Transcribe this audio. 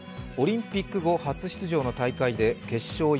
オリンピック後初出場の大会で決勝